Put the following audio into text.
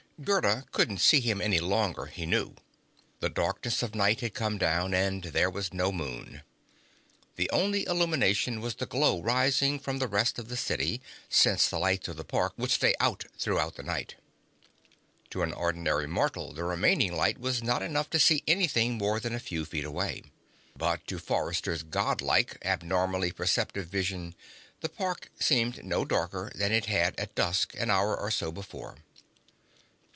Gerda couldn't see him any longer, he knew. The darkness of night had come down and there was no moon. The only illumination was the glow rising from the rest of the city, since the lights of the park would stay out throughout the night. To an ordinary mortal, the remaining light was not enough to see anything more than a few feet away. But to Forrester's Godlike, abnormally perceptive vision, the park seemed no darker than it had at dusk, an hour or so before.